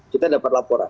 kita dapat laporan